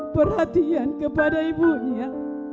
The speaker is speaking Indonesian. perhatian kepada ibunya